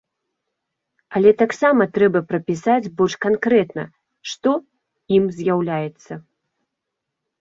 Але таксама трэба прапісаць больш канкрэтна, што ім з'яўляецца.